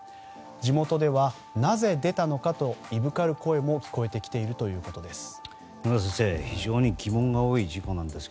地元では、なぜ出たのかといぶかる声も聞こえてきているということです。